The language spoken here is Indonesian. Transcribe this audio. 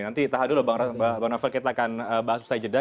nanti tahan dulu bang novel kita akan bahas usai jeda